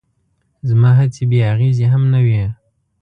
زما هڅې بې اغېزې هم نه وې.